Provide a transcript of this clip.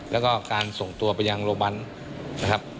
และก็การส่งตัวไปยังโรงพยาบาล